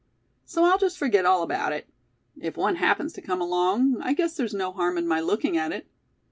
So I'll just forget all about it. If one happens to come along, I guess there's no harm in my looking at it."